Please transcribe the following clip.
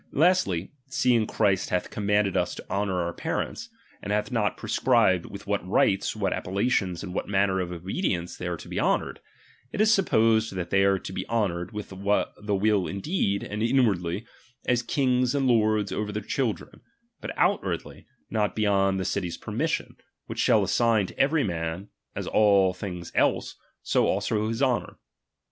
Lastly, seeing Christ hath com manded us to honour our parents, and hath not prescribed with what rites, what appellations, and Tvhat manner of obedience they are to be honoured; it is to be supposed that they are to be honoured T^ith the will indeed, and inwardly, as kings and lords over their children, but outwardly, not be yond the city's permission, which shall assign to every man, as all things else, so also his honour.